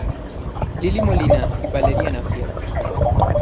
Loli Molina y Valeriana feat.